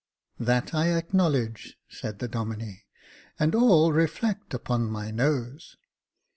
" That I acknowledge," said the Domine ;" and all reflect upon my nose.